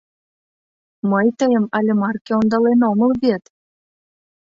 Мый тыйым але марке ондален омыл вет!